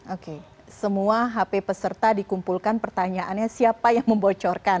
oke semua hp peserta dikumpulkan pertanyaannya siapa yang membocorkan